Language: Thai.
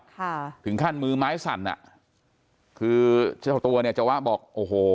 ค่ะถึงขั้นมือไม้สั่นอ่ะคือเจ้าตัวเนี่ยเจ้าวะบอกโอ้โห